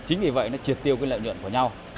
chính vì vậy nó triệt tiêu cái lợi nhuận của nhau